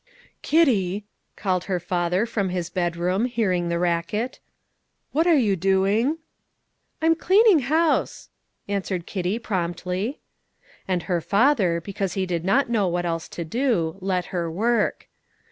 "Kitty," called her father from his bedroom, hearing the racket, "what are you doing?" "I'm cleaning house," answered Kitty promptly. And her father, because he did not know what else to do, let her work.